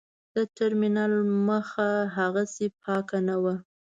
د ټرمینل مخه هاغسې پاکه نه وه.